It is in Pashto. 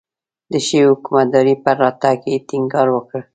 د ښې حکومتدارۍ پر راتګ یې ټینګار وکړ.